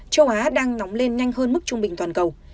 giá đang nóng lên nhanh hơn mức trung bình toàn cầu